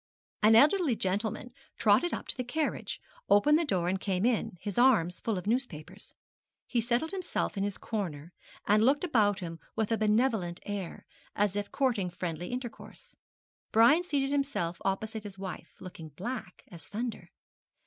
An elderly gentleman trotted up to the carriage, opened the door, and came in, his arms full of newspapers. He settled himself in his corner, and looked about him with a benevolent air, as if courting friendly intercourse. Brian seated himself opposite his wife, looking black as thunder.